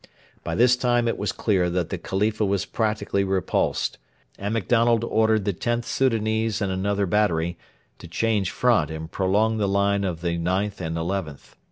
By this time it was clear that the Khalifa was practically repulsed, and MacDonald ordered the Xth Soudanese and another battery to change front and prolong the line of the IXth and XIth.